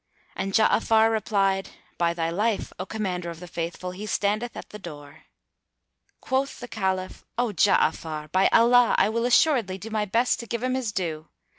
and Ja'afar replied, "By thy life, O Commander of the Faithful, he standeth at the door." Quoth the Caliph, "O Ja'afar, by Allah, I will assuredly do my best to give him his due!